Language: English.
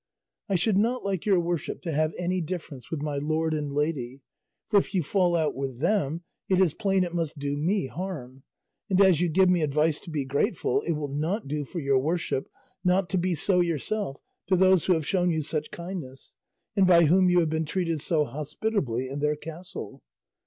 I should not like your worship to have any difference with my lord and lady; for if you fall out with them it is plain it must do me harm; and as you give me advice to be grateful it will not do for your worship not to be so yourself to those who have shown you such kindness, and by whom you have been treated so hospitably in their castle.